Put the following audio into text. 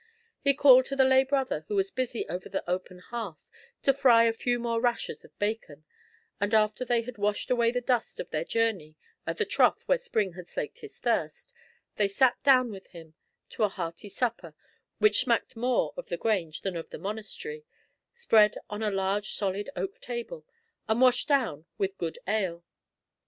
He called to the lay brother who was busy over the open hearth to fry a few more rashers of bacon; and after they had washed away the dust of their journey at the trough where Spring had slaked his thirst, they sat down with him to a hearty supper, which smacked more of the grange than of the monastery, spread on a large solid oak table, and washed down with good ale.